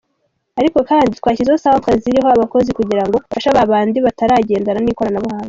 Ariko kandi twashyizeho centre ziriho abakozi kugira ngo bafashe babandi bataragendana n’ikoranabuhanga.